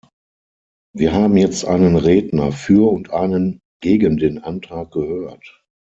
Wir haben jetzt einen Redner für und einen gegen den Antrag gehört.